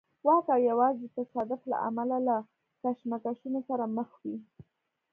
واک او یوازې د تصادف له امله له کشمکشونو سره مخ وي.